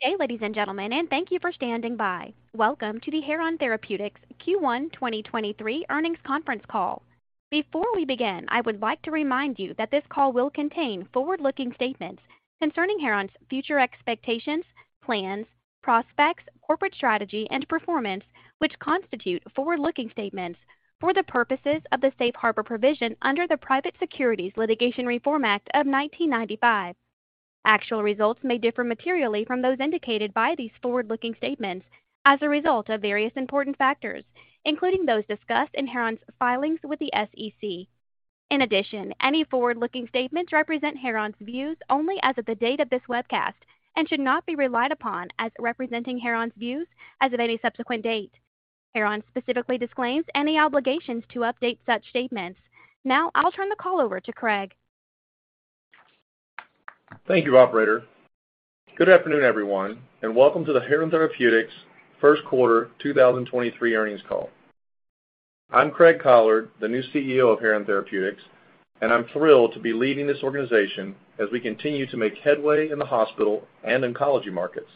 Good day, ladies and gentlemen, and thank you for standing by. Welcome to the Heron Therapeutics Q1 2023 earnings conference call. Before we begin, I would like to remind you that this call will contain forward-looking statements concerning Heron's future expectations, plans, prospects, corporate strategy, and performance, which constitute forward-looking statements for the purposes of the Safe Harbor provision under the Private Securities Litigation Reform Act of 1995. Actual results may differ materially from those indicated by these forward-looking statements as a result of various important factors, including those discussed in Heron's filings with the SEC. In addition, any forward-looking statements represent Heron's views only as of the date of this webcast and should not be relied upon as representing Heron's views as of any subsequent date. Heron specifically disclaims any obligations to update such statements. Now I'll turn the call over to Craig. Thank you, operator. Good afternoon, everyone, and welcome to the Heron Therapeutics first quarter 2023 earnings call. I'm Craig Collard, the new CEO of Heron Therapeutics, and I'm thrilled to be leading this organization as we continue to make headway in the hospital and oncology markets.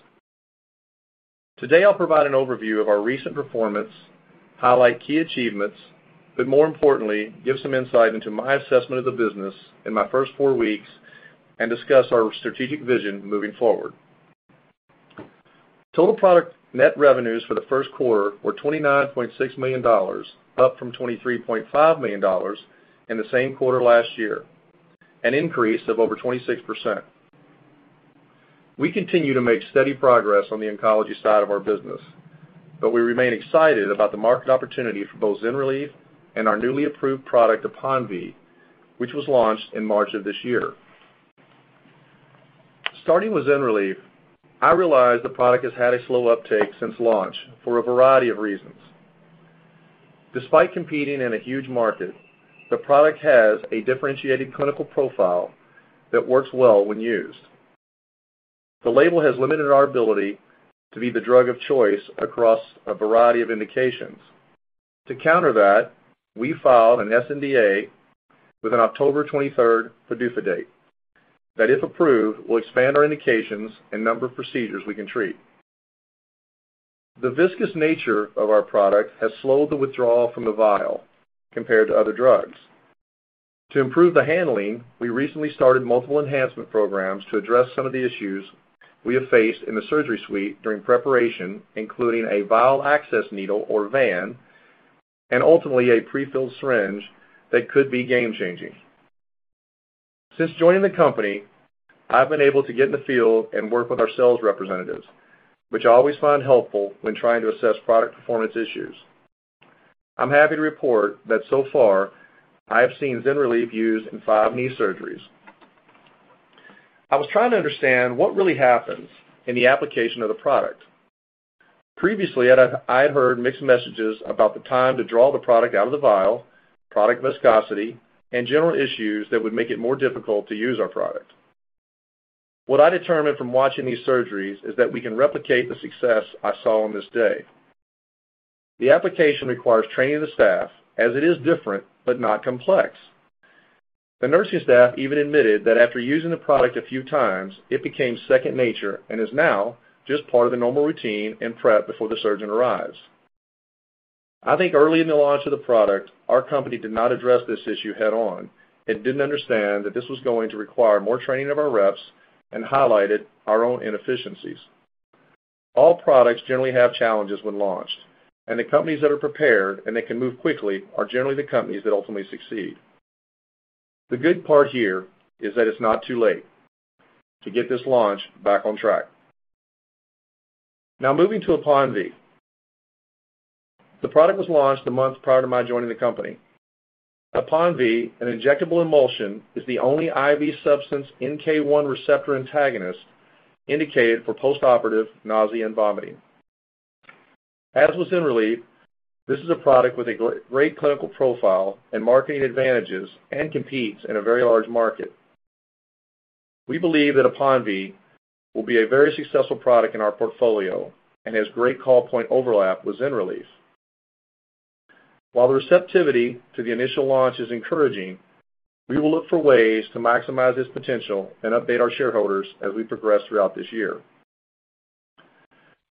Today, I'll provide an overview of our recent performance, highlight key achievements, but more importantly, give some insight into my assessment of the business in my first four weeks and discuss our strategic vision moving forward. Total product net revenues for the first quarter were $29.6 million up from $23.5 million in the same quarter last year, an increase of over 26%. We continue to make steady progress on the oncology side of our business, but we remain excited about the market opportunity for both ZYNRELEF and our newly approved product, APONVIE, which was launched in March of this year. Starting with ZYNRELEF, I realize the product has had a slow uptake since launch for a variety of reasons. Despite competing in a huge market, the product has a differentiated clinical profile that works well when used. The label has limited our ability to be the drug of choice across a variety of indications. To counter that, we filed an sNDA with an October 23rd PDUFA date that, if approved, will expand our indications and number of procedures we can treat. The viscous nature of our product has slowed the withdrawal from the vial compared to other drugs. To improve the handling, we recently started multiple enhancement programs to address some of the issues we have faced in the surgery suite during preparation, including a vial access needle or VAN and ultimately a prefilled syringe that could be game changing. Since joining the company, I've been able to get in the field and work with our sales representatives, which I always find helpful when trying to assess product performance issues. I'm happy to report that so far I have seen ZYNRELEF used in five knee surgeries. I was trying to understand what really happens in the application of the product. Previously, I'd heard mixed messages about the time to draw the product out of the vial, product viscosity, and general issues that would make it more difficult to use our product. What I determined from watching these surgeries is that we can replicate the success I saw on this day. The application requires training the staff as it is different but not complex. The nursing staff even admitted that after using the product a few times, it became second nature and is now just part of the normal routine and prep before the surgeon arrives. I think early in the launch of the product, our company did not address this issue head on and didn't understand that this was going to require more training of our reps and highlighted our own inefficiencies. All products generally have challenges when launched, and the companies that are prepared and they can move quickly are generally the companies that ultimately succeed. The good part here is that it's not too late to get this launch back on track. Now moving to APONVIE. The product was launched a month prior to my joining the company. APONVIE, an injectable emulsion, is the only IV substance NK1 receptor antagonist indicated for postoperative nausea and vomiting. As with ZYNRELEF, this is a product with a great clinical profile and marketing advantages and competes in a very large market. We believe that APONVIE will be a very successful product in our portfolio and has great call point overlap with ZYNRELEF. While the receptivity to the initial launch is encouraging, we will look for ways to maximize this potential and update our shareholders as we progress throughout this year.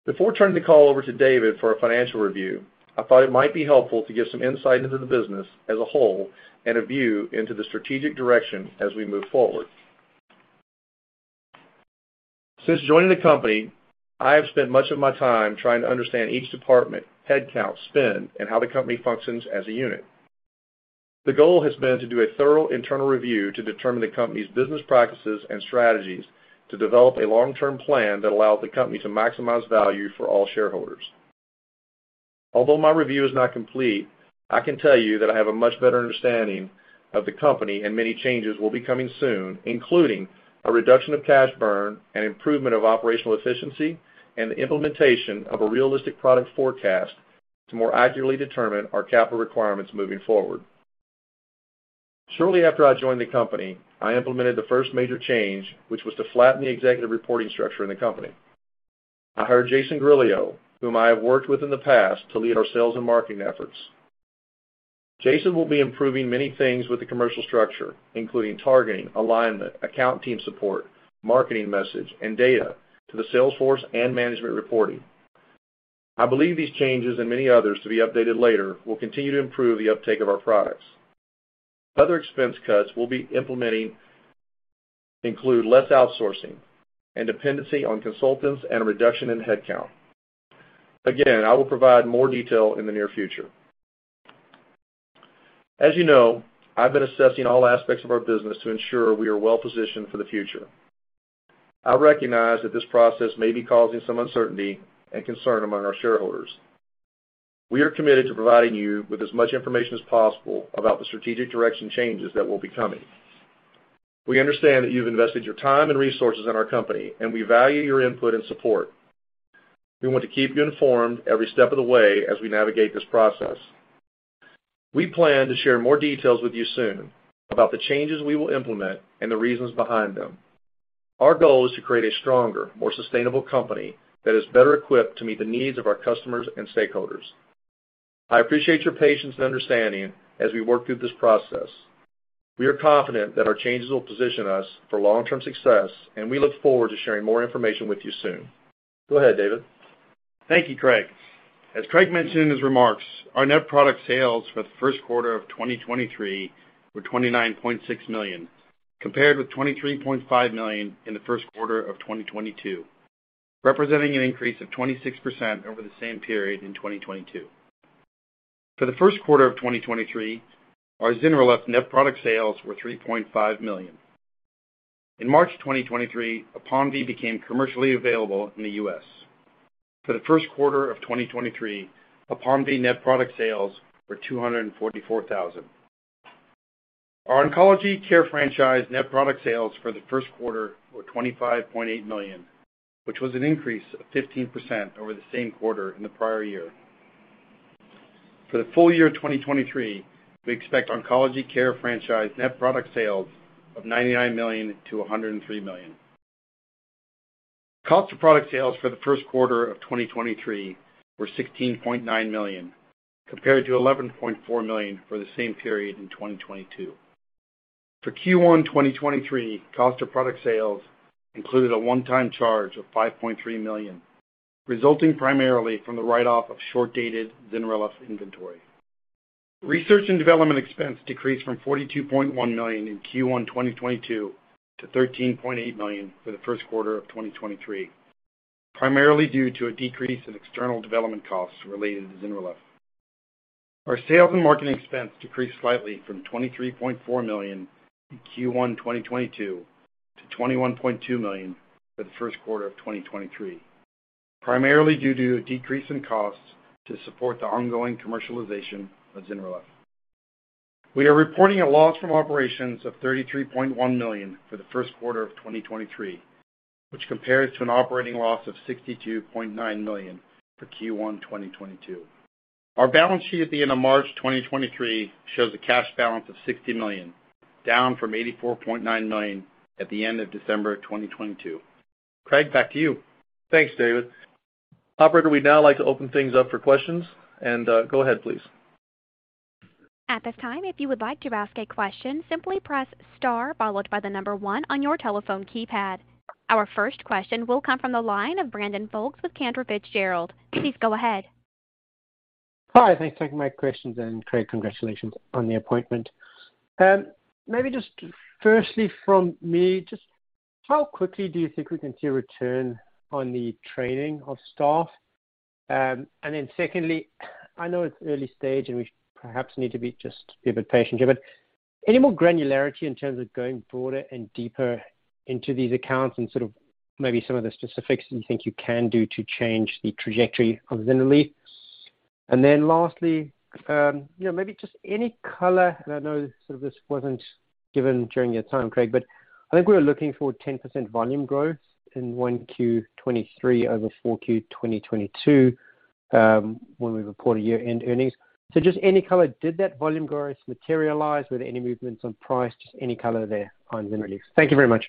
Before turning the call over to David for a financial review, I thought it might be helpful to give some insight into the business as a whole and a view into the strategic direction as we move forward. Since joining the company, I have spent much of my time trying to understand each department, headcount, spend, and how the company functions as a unit. The goal has been to do a thorough internal review to determine the company's business practices and strategies to develop a long-term plan that allows the company to maximize value for all shareholders. Although my review is not complete, I can tell you that I have a much better understanding of the company and many changes will be coming soon, including a reduction of cash burn, an improvement of operational efficiency, and the implementation of a realistic product forecast to more accurately determine our capital requirements moving forward. Shortly after I joined the company, I implemented the first major change, which was to flatten the executive reporting structure in the company. I hired Jason Grillot, whom I have worked with in the past, to lead our sales and marketing efforts. Jason will be improving many things with the commercial structure, including targeting, alignment, account team support, marketing message, and data to the sales force and management reporting. I believe these changes and many others to be updated later will continue to improve the uptake of our products. Other expense cuts we'll be implementing include less outsourcing and dependency on consultants and a reduction in headcount. I will provide more detail in the near future. As you know, I've been assessing all aspects of our business to ensure we are well-positioned for the future. I recognize that this process may be causing some uncertainty and concern among our shareholders. We are committed to providing you with as much information as possible about the strategic direction changes that will be coming. We understand that you've invested your time and resources in our company. We value your input and support. We want to keep you informed every step of the way as we navigate this process. We plan to share more details with you soon about the changes we will implement and the reasons behind them. Our goal is to create a stronger, more sustainable company that is better equipped to meet the needs of our customers and stakeholders. I appreciate your patience and understanding as we work through this process. We are confident that our changes will position us for long-term success. We look forward to sharing more information with you soon. Go ahead, David. Thank you, Craig. As Craig mentioned in his remarks, our net product sales for the first quarter of 2023 were $29.6 million, compared with $23.5 million in the first quarter of 2022, representing an increase of 26% over the same period in 2022. For the first quarter of 2023, our ZYNRELEF net product sales were $3.5 million. In March 2023, APONVIE became commercially available in the U.S. For the first quarter of 2023, APONVIE net product sales were $244,000. Our Oncology Care franchise net product sales for the first quarter were $25.8 million, which was an increase of 15% over the same quarter in the prior year. For the full year of 2023, we expect Oncology Care franchise net product sales of $99 million-$103 million. Cost of product sales for the first quarter of 2023 were $16.9 million, compared to $11.4 million for the same period in 2022. For Q1, 2023, cost of product sales included a one-time charge of $5.3 million, resulting primarily from the write-off of short-dated ZYNRELEF inventory. Research and development expense decreased from $42.1 million in Q1, 2022 to $13.8 million for the first quarter of 2023, primarily due to a decrease in external development costs related to ZYNRELEF. Our sales and marketing expense decreased slightly from $23.4 million in Q1 2022 to $21.2 million for the first quarter of 2023, primarily due to a decrease in costs to support the ongoing commercialization of ZYNRELEF. We are reporting a loss from operations of $33.1 million for the first quarter of 2023, which compares to an operating loss of $62.9 million for Q1 2022. Our balance sheet at the end of March 2023 shows a cash balance of $60 million, down from $84.9 million at the end of December 2022. Craig, back to you. Thanks, David. Operator, we'd now like to open things up for questions. Go ahead, please. At this time, if you would like to ask a question, simply press star followed by the number one on your telephone keypad. Our first question will come from the line of Brandon Golas with Cantor Fitzgerald. Please go ahead. Hi, thanks for taking my questions, Craig, congratulations on the appointment. Maybe just firstly from me, just how quickly do you think we can see a return on the training of staff? Secondly, I know it's early stage, and we perhaps need to be a bit patient here, but any more granularity in terms of going broader and deeper into these accounts and sort of maybe some of the specifics that you think you can do to change the trajectory of ZYNRELEF? Lastly, you know, maybe just any color, and I know sort of this wasn't given during your time, Craig, but I think we were looking for 10% volume growth in 1Q 2023 over 4Q 2022, when we report our year-end earnings. Just any color, did that volume growth materialize? Were there any movements on price? Just any color there on ZYNRELEF. Thank you very much.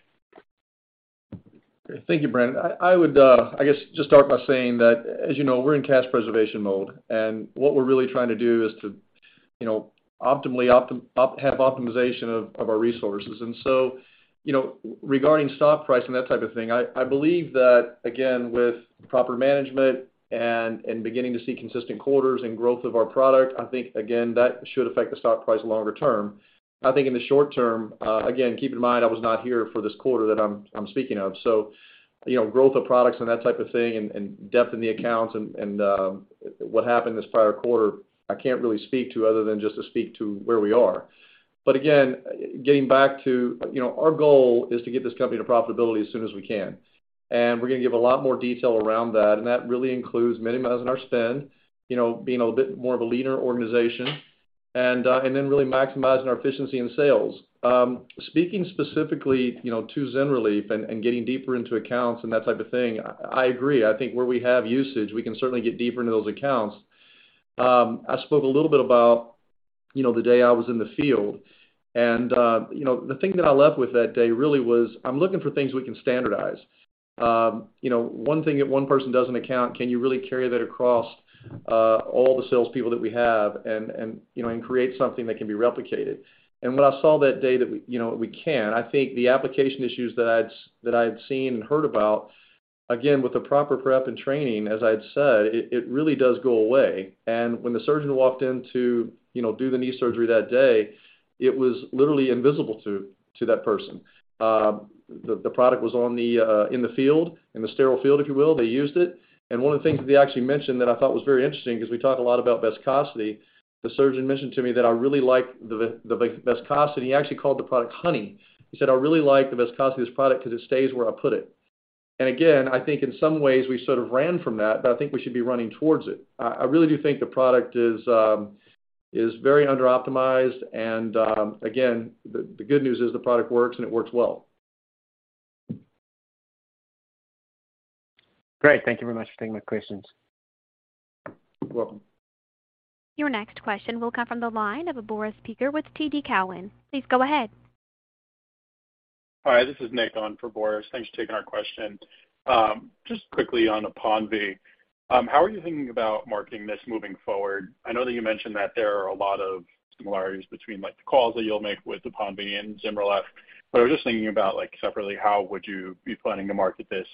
Thank you, Brandon. I would, I guess, just start by saying that, as you know, we're in cash preservation mode, and what we're really trying to do is to, you know, optimally have optimization of our resources. You know, regarding stock price and that type of thing, I believe that, again, with proper management and beginning to see consistent quarters and growth of our product, I think again, that should affect the stock price longer term. I think in the short term, again, keep in mind I was not here for this quarter that I'm speaking of. You know, growth of products and that type of thing and depth in the accounts and what happened this prior quarter, I can't really speak to other than just to speak to where we are. Again, getting back to, you know, our goal is to get this company to profitability as soon as we can. We're gonna give a lot more detail around that, and that really includes minimizing our spend, you know, being a bit more of a leaner organization and then really maximizing our efficiency in sales. Speaking specifically, you know, to ZYNRELEF and getting deeper into accounts and that type of thing, I agree. I think where we have usage, we can certainly get deeper into those accounts. I spoke a little bit about. You know, the day I was in the field, and, you know, the thing that I left with that day really was I'm looking for things we can standardize. You know, one thing that one person does in account, can you really carry that across, all the sales people that we have and, you know, and create something that can be replicated? When I saw that day that, you know, we can, I think the application issues that I'd seen and heard about, again with the proper prep and training, as I'd said, it really does go away. When the surgeon walked in to, you know, do the knee surgery that day, it was literally invisible to that person. The product was on the in the field, in the sterile field, if you will. They used it. One of the things that they actually mentioned that I thought was very interesting 'cause we talk a lot about viscosity, the surgeon mentioned to me that I really like the viscosity. He actually called the product honey. He said, "I really like the viscosity of this product 'cause it stays where I put it." Again, I think in some ways we sort of ran from that, but I think we should be running towards it. I really do think the product is very underoptimized and again, the good news is the product works, and it works well. Great. Thank you very much for taking my questions. You're welcome. Your next question will come from the line of Boris Peaker with TD Cowen. Please go ahead. Hi, this is Nick on for Boris. Thanks for taking our question. Just quickly on APONVIE. How are you thinking about marketing this moving forward? I know that you mentioned that there are a lot of similarities between, like, the calls that you'll make with APONVIE and ZYNRELEF. I was just thinking about, like, separately, how would you be planning to market this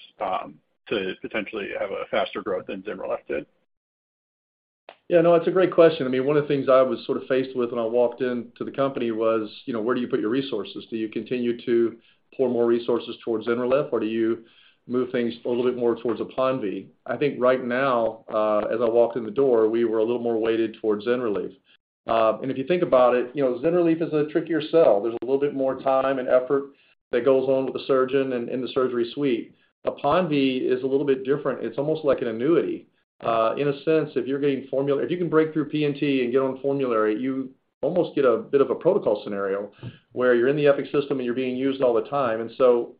to potentially have a faster growth than ZYNRELEF did? Yeah, no, it's a great question. I mean, one of the things I was sort of faced with when I walked into the company was, you know, where do you put your resources? Do you continue to pour more resources towards ZYNRELEF or do you move things a little bit more towards APONVIE? I think right now, as I walked in the door, we were a little more weighted towards ZYNRELEF. If you think about it, you know, ZYNRELEF is a trickier sell. There's a little bit more time and effort that goes on with the surgeon and in the surgery suite. APONVIE is a little bit different. It's almost like an annuity. In a sense, if you're getting formula... If you can break through P&T and get on formulary, you almost get a bit of a protocol scenario, where you're in the Epic system and you're being used all the time.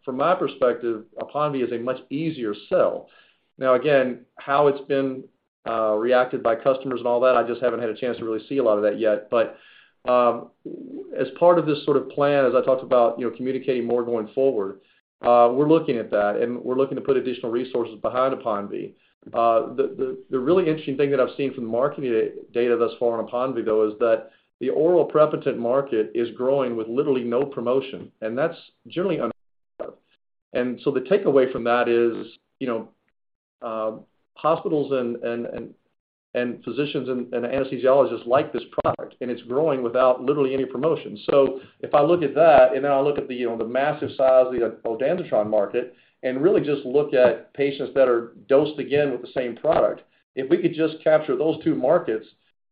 From my perspective, APONVIE is a much easier sell. Now again, how it's been reacted by customers and all that I just haven't had a chance to really see a lot of that yet. As part of this sort of plan, as I talked about, you know, communicating more going forward, we're looking at that and we're looking to put additional resources behind APONVIE. The really interesting thing that I've seen from the marketing data thus far on APONVIE, though, is that the oral prep agent market is growing with literally no promotion and that's generally unheard of. The takeaway from that is, you know, hospitals and physicians and anesthesiologists like this product, and it's growing without literally any promotion. If I look at that and then I look at the, you know, the massive size of the ondansetron market and really just look at patients that are dosed again with the same product, if we could just capture those two markets,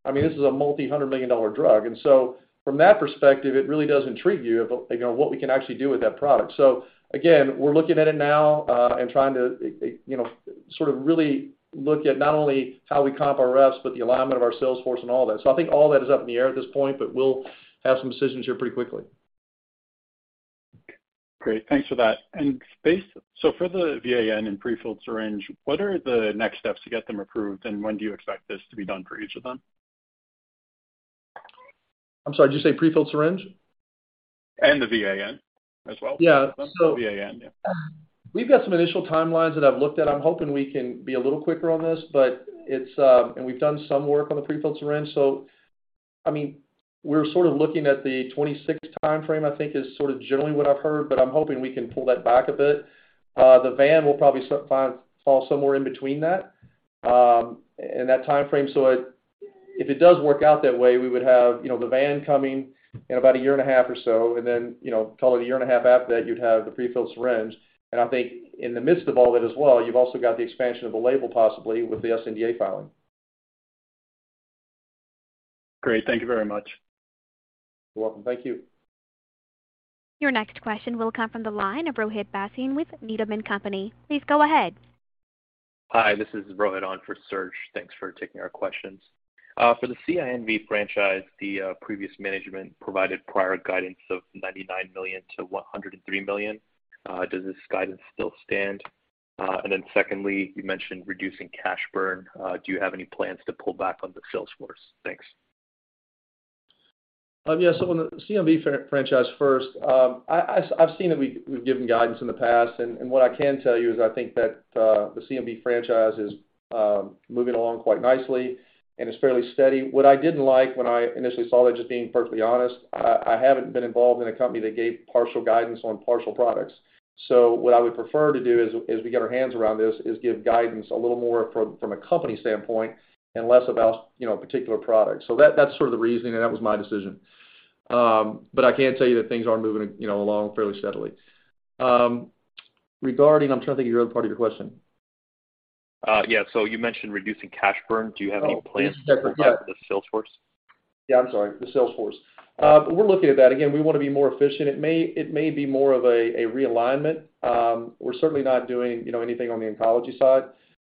I mean, this is a multi-hundred million dollar drug. From that perspective, it really does intrigue you of, you know, what we can actually do with that product. Again, we're looking at it now, and trying to, you know, sort of really look at not only how we comp our reps, but the alignment of our sales force and all that. I think all that is up in the air at this point but we'll have some decisions here pretty quickly. Great. Thanks for that. For the VAN and pre-filled syringe, what are the next steps to get them approved, and when do you expect this to be done for each of them? I'm sorry, did you say pre-filled syringe? The VAN as well. Yeah. The VAN, yeah. We've got some initial timelines that I've looked at. I'm hoping we can be a little quicker on this, but it's. We've done some work on the pre-filled syringe. I mean, we're sort of looking at the 2026 timeframe, I think is sort of generally what I've heard, but I'm hoping we can pull that back a bit. The VAN will probably fall somewhere in between that in that timeframe. If it does work out that way, we would have, you know, the VAN coming in about a year and a half or so, and then, you know, probably a year and a half after that, you'd have the pre-filled syringe. I think in the midst of all that as well, you've also got the expansion of the label possibly with the sNDA filing. Great. Thank you very much. You're welcome. Thank you. Your next question will come from the line of Rohit Bhasin with Needham & Company. Please go ahead. Hi, this is Rohit on for Serge. Thanks for taking our questions. For the CINV franchise, previous management provided prior guidance of $99 million-$103 million. Does this guidance still stand? Secondly, you mentioned reducing cash burn. Do you have any plans to pull back on the sales force? Thanks. Yeah. On the CINV franchise first, I've seen that we've given guidance in the past, and what I can tell you is I think that the CINV franchise is moving along quite nicely and is fairly steady. What I didn't like when I initially saw that, just being perfectly honest, I haven't been involved in a company that gave partial guidance on partial products. What I would prefer to do as we get our hands around this, is give guidance a little more from a company standpoint and less about, you know, a particular product. That's sort of the reasoning, and that was my decision. But I can tell you that things are moving, you know, along fairly steadily. I'm trying to think of your other part of your question. Yeah. You mentioned reducing cash burn. Do you have any plans- Oh. to pull back on the sales force? Yeah, I'm sorry. The sales force. We're looking at that. Again, we wanna be more efficient. It may be more of a realignment. We're certainly not doing, you know, anything on the oncology side.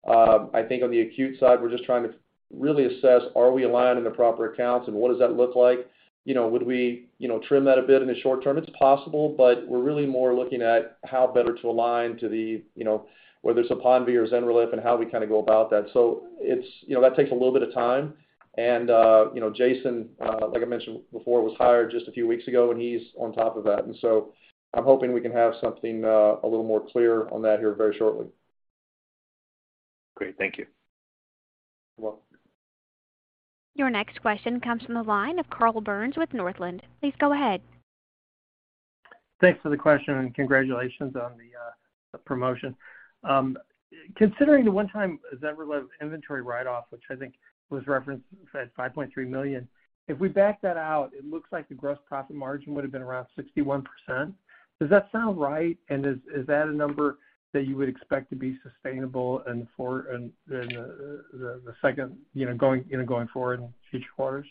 I think on the acute side, we're just trying to really assess, are we aligned in the proper accounts, and what does that look like? You know, would we, you know, trim that a bit in the short term? It's possible, but we're really more looking at how better to align to the, you know, whether it's APONVIE or ZYNRELEF and how we kinda go about that. It's, you know, that takes a little bit of time and, you know, Jason, like I mentioned before, was hired just a few weeks ago, and he's on top of that. I'm hoping we can have something, a little more clear on that here very shortly. Great. Thank you. You're welcome. Your next question comes from the line of Carl Byrnes with Northland. Please go ahead. Thanks for the question, and congratulations on the promotion. Considering the one-time ZYNRELEF inventory write-off, which I think was referenced at $5.3 million, if we back that out, it looks like the gross profit margin would have been around 61%. Does that sound right? Is that a number that you would expect to be sustainable and in the second, you know, going, you know, going forward in future quarters?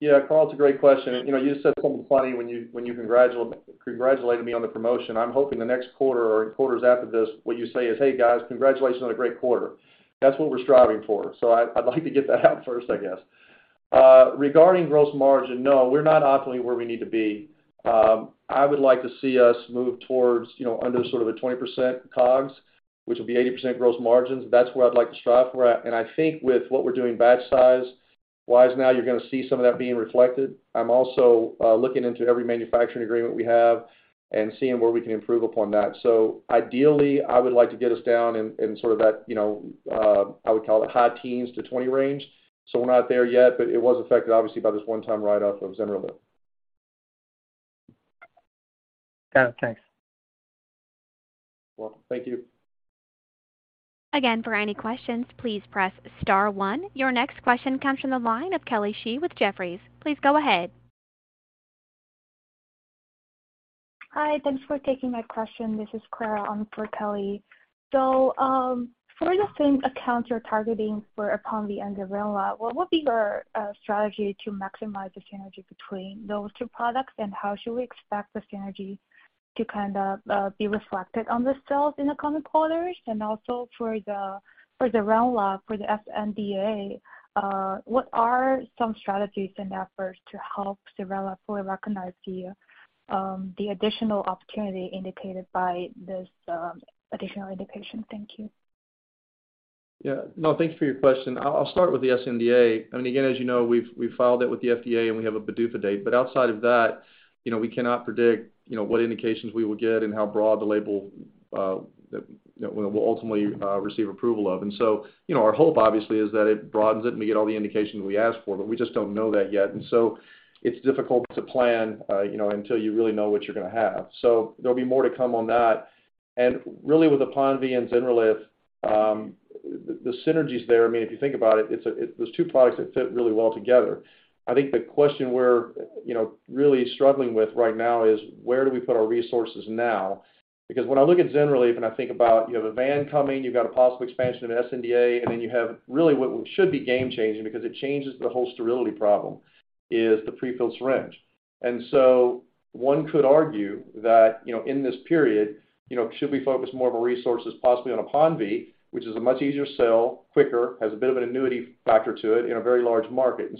Yeah. Carl, it's a great question. You know, you just said something funny when you, when you congratulated me on the promotion. I'm hoping the next quarter or quarters after this, what you say is, "Hey, guys, congratulations on a great quarter." That's what we're striving for. I'd like to get that out first, I guess. Regarding gross margin, no, we're not optimally where we need to be. I would like to see us move towards, you know, under sort of a 20% COGS, which will be 80% gross margins. That's where I'd like to strive for. I think with what we're doing batch size-wise now, you're gonna see some of that being reflected. I'm also looking into every manufacturing agreement we have and seeing where we can improve upon that. Ideally, I would like to get us down in sort of that, you know, I would call it a high teens-20% range. We're not there yet, but it was affected obviously by this one-time write-off of ZYNRELEF. Got it. Thanks. You're welcome. Thank you. For any questions, please press star one. Your next question comes from the line of Kelly Shi with Jefferies. Please go ahead. Hi. Thanks for taking my question. This is Clara on for Kelly. For the same accounts you're targeting for APONVIE and ZYNRELEF, what would be your strategy to maximize the synergy between those two products and how should we expect the synergy to kind of be reflected on the sales in the coming quarters? For the ZYNRELEF, for the sNDA, what are some strategies and efforts to help ZYNRELEF fully recognize the additional opportunity indicated by this additional indication? Thank you. Yeah. No, thank you for your question. I'll start with the sNDA. Again, as you know, we've filed it with the FDA, and we have a PDUFA date. Outside of that, you know, we cannot predict, you know, what indications we will get and how broad the label that we'll ultimately receive approval of. You know, our hope obviously is that it broadens it, and we get all the indications we ask for. We just don't know that yet. It's difficult to plan, you know, until you really know what you're gonna have. There'll be more to come on that. Really with the APONVIE and ZYNRELEF, the synergy's there. I mean, if you think about it, those two products that fit really well together. I think the question we're, you know, really struggling with right now is where do we put our resources now? Because when I look at ZYNRELEF and I think about you have a VAN coming, you've got a possible expansion of sNDA, then you have really what should be game changing because it changes the whole sterility problem is the prefilled syringe. One could argue that, you know, in this period, you know, should we focus more of our resources possibly on APONVIE, which is a much easier sell, quicker, has a bit of an annuity factor to it in a very large market.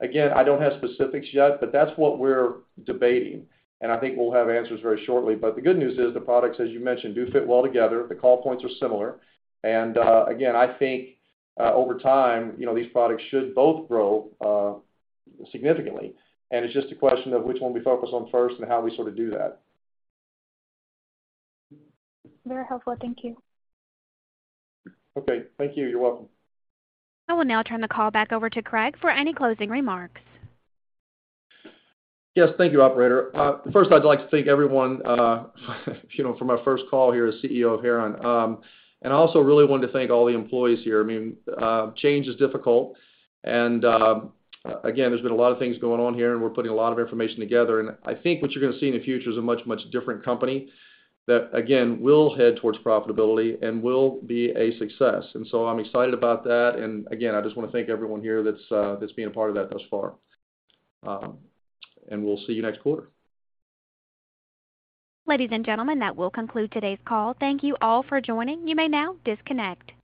Again, I don't have specifics yet but that's what we're debating. I think we'll have answers very shortly. The good news is the products, as you mentioned, do fit well together. The call points are similar. Again, I think, over time, you know, these products should both grow significantly. It's just a question of which one we focus on first and how we sort of do that. Very helpful. Thank you. Okay. Thank you. You're welcome. I will now turn the call back over to Craig for any closing remarks. Yes. Thank you, operator. First I'd like to thank everyone, you know, for my first call here as CEO of Heron. I also really wanted to thank all the employees here. I mean, change is difficult and again, there's been a lot of things going on here and we're putting a lot of information together. I think what you're gonna see in the future is a much, much different company that again, will head towards profitability and will be a success. I'm excited about that. Again, I just wanna thank everyone here that's being a part of that thus far. We'll see you next quarter. Ladies and gentlemen, that will conclude today's call. Thank you all for joining. You may now disconnect.